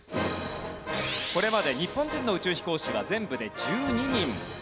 これまで日本人の宇宙飛行士は全部で１２人。